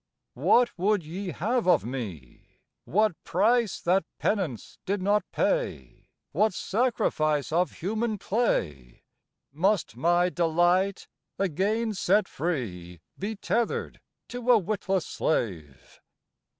What would ye have of me? What price that penance did not pay, What sacrifice of human clay? Must my delight again set free Be tethered to a witless slave?